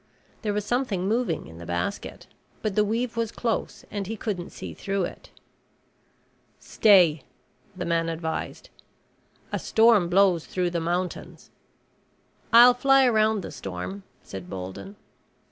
There was something moving in the basket, but the weave was close and he couldn't see through it. "Stay," the man advised. "A storm blows through the mountains." "I will fly around the storm," said Bolden.